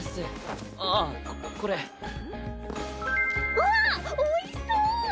わあっおいしそう！